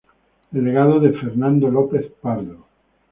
El legado de Fernando López Pardo.